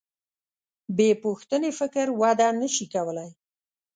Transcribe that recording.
بېپوښتنې فکر وده نهشي کولی.